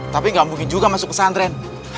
tapi gak mungkin juga masuk kesantren